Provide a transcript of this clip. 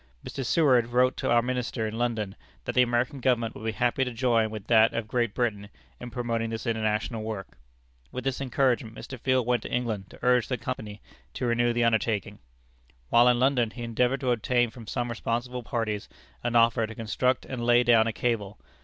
Mr. Seward wrote to our Minister in London that the American Government would be happy to join with that of Great Britain in promoting this international work. With this encouragement, Mr. Field went to England to urge the Company to renew the undertaking. While in London, he endeavored to obtain from some responsible parties an offer to construct and lay down a cable.